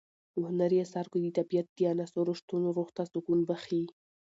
په هنري اثارو کې د طبیعت د عناصرو شتون روح ته سکون بښي.